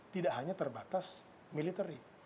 tidak hanya terbatas military